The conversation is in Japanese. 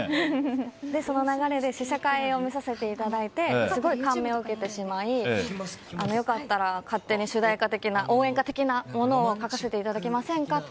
その流れで試写会を見させていただいてすごい感銘を受けてしまい良かったら勝手に主題歌的な応援歌的なものを書かせていただけませんかって。